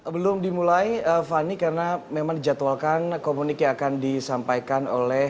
belum dimulai fani karena memang dijadwalkan komunik yang akan disampaikan oleh